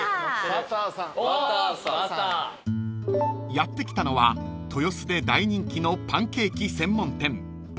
［やって来たのは豊洲で大人気のパンケーキ専門店］